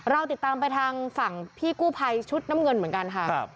เราติดตามไปทางฝั่งพี่กู้ภัยชุดน้ำเงินเหมือนกันค่ะ